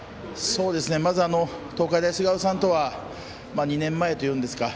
まず、東海大菅生さんとは２年前というんですか。